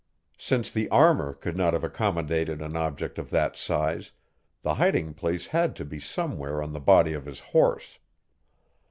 Since the armor could not have accommodated an object of that size, the hiding place had to be somewhere on the body of his horse.